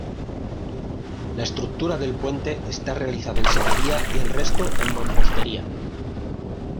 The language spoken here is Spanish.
La estructura del puente está realizada en sillería y el resto en mampostería.